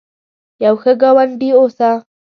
یو ښه ګاونډي اوسه